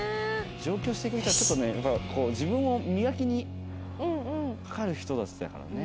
上京してくる人はちょっとね自分を磨きにかかる人たちだからね。